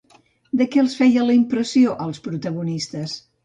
De què els feia la impressió, als protagonistes?